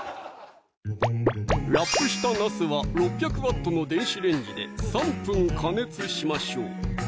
ラップしたなすは６００Ｗの電子レンジで３分加熱しましょう！